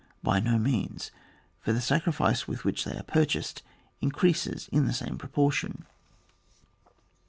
By no means, for the sacrifice with which they are purchased increases in the same proportion.